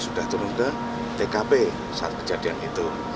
sudah turun ke tkp saat kejadian itu